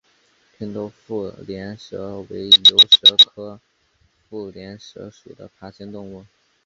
平头腹链蛇为游蛇科腹链蛇属的爬行动物。